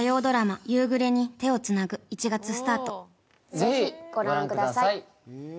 ぜひご覧ください。